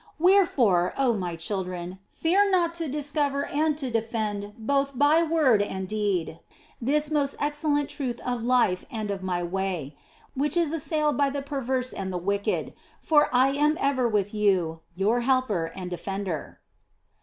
Where fore, oh My children, fear not to discover and to defend both by word and deed this most excellent truth of life and of My way, which is assailed by the perverse and the wicked, for I am ever with you, your Helper and Defender."